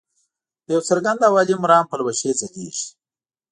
د یو څرګند او عالي مرام پلوشې ځلیږي.